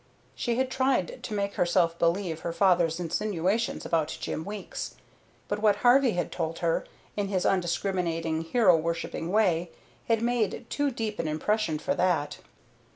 She had tried to make herself believe her father's insinuations about Jim Weeks; but what Harvey had told her, in his undiscriminating, hero worshipping way, had made too deep an impression for that.